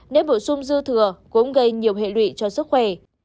nếu bổ sung dư thừa cũng gây nhiều hệ lụy cho sức khỏe